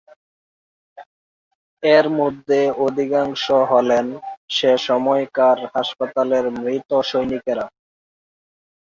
এর মধ্যে অধিকাংশ হলেন সেসময়কার হাসপাতালের মৃত সৈনিকরা।